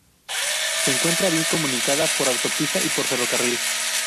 Se encuentra bien comunicada por autopista y por ferrocarril.